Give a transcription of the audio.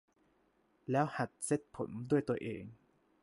แล้วหัดเซตผมด้วยตัวเอง